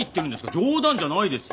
冗談じゃないですよ。